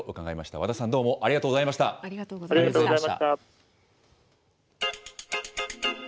和田さん、どうもありがとうござありがとうございました。